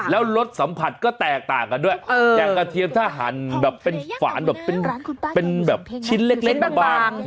แล้วรสสัมผัสก็แตกต่างกันด้วยอย่างกระเทียมถ้าหั่นแบบเป็นฝานแบบเป็นแบบชิ้นเล็กบาง